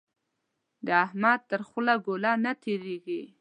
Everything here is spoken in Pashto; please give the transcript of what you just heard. د احمد تر خوله ګوله نه تېرېږي.